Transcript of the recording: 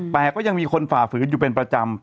แต่ก็ยังมีคนฝ่าฝืนอยู่เป็นประจำ